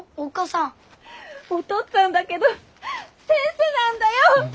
おとっつぁんだけどせんせなんだよ！